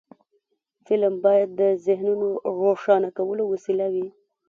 فلم باید د ذهنونو روښانه کولو وسیله وي